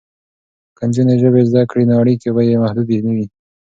که نجونې ژبې زده کړي نو اړیکې به یې محدودې نه وي.